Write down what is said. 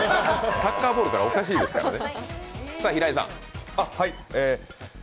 サッカーボールからおかしいですからね。